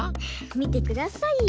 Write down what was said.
みてくださいよ。